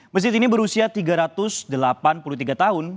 masjid ini berusia tiga ratus delapan puluh tiga tahun